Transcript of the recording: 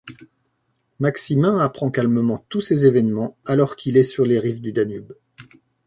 Maximin apprend calmement tous ces événements alors qu'il est sur les rives du Danube.